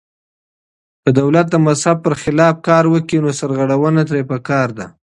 که دولت د مذهب پر خلاف کار وکړي نو سرغړونه ترې پکار ده.